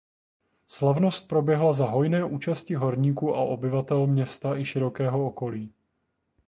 Slavnost proběhla za hojné účasti horníků a obyvatel města i širokého okolí.